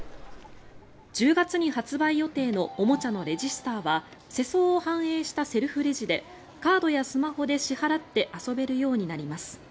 １０月に発売予定のおもちゃのレジスターは世相を反映したセルフレジでカードやスマホで支払って遊べるようになります。